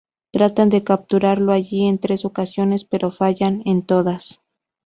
Tratan de capturarlo allí en tres ocasiones, pero fallan en todas.